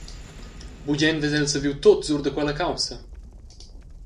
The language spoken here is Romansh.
Bugen vess el saviu tut sur da quella caussa.